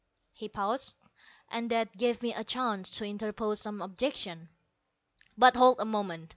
He paused, and that gave me a chance to interpose some objections. "But hold on a moment.